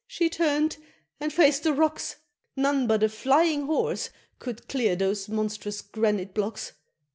she turn'd and faced the rocks, None but a flying horse could clear those monstrous granite blocks!